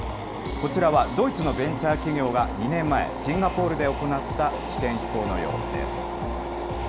こちらは、ドイツのベンチャー企業が２年前、シンガポールで行った試験飛行の様子です。